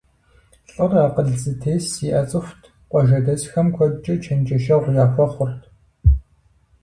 ЛӀыр акъыл зэтес зиӀэ цӀыхут, къуажэдэсхэм куэдкӀэ чэнджэщэгъу яхуэхъурт.